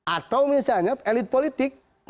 atau misalnya elit politik